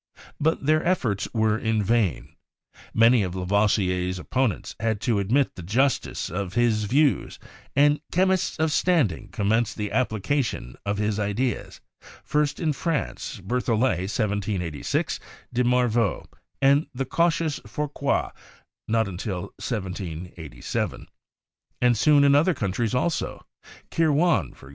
But their efforts were in vain. Many of Lavoisier's opponents had to ad mit the justice of his views ; and chemists of standing commenced the application of his ideas, first in France (Berthollet 1786, de Morveau, and the cautious Fourcroy not until 1787), and soon in other countries also (Kirwan, e.g.